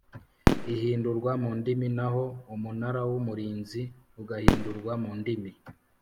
Ihindurwa mu ndimi naho umunara w umurinzi ugahindurwa mu ndimi